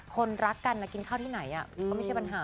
คนรักกันนะกินข้าวที่ไหนก็ไม่ใช่ปัญหา